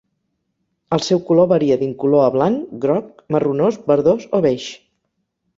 El seu color varia d'incolor a blanc, groc, marronós, verdós o beix.